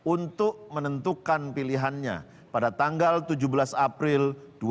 untuk menentukan pilihannya pada tanggal tujuh belas april dua ribu dua puluh